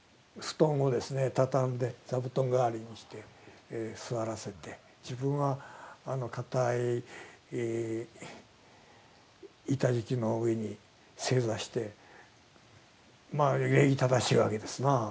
畳んで座布団代わりにして座らせて自分は硬い板敷きの上に正座してまあ礼儀正しいわけですな。